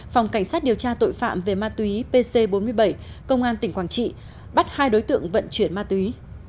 phòng cảnh sát điều tra tội phạm về ma túy pc bốn mươi bảy công an tỉnh quảng trị bắt hai đối tượng vận chuyển ma túy